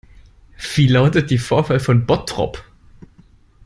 Wie lautet die Vorwahl von Bottrop?